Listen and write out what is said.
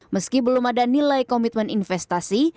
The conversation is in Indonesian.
meski belum ada nilai komitmen investasi